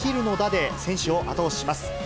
で、選手を後押しします。